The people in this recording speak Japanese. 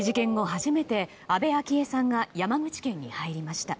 初めて安倍昭恵さんが山口県に入りました。